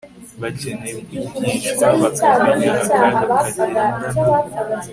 Bakeneye kwigishwa bakamenya akaga kagendana